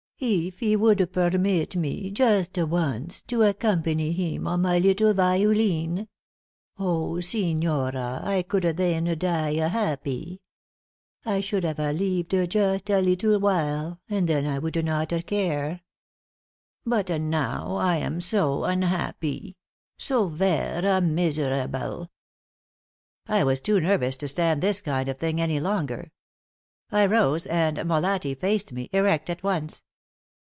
Eef he would permeet me justa once to accompany him on my leetle violin oh, signora, I coulda then die happy. I should hava leeved just a leetle while, and then I would not care. But now, I am so unhappy so vera miserable!" I was too nervous to stand this kind of thing any longer. I rose, and Molatti faced me, erect at once.